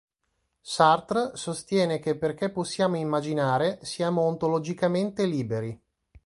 Sartre sostiene che perché possiamo immaginare, siamo ontologicamente liberi.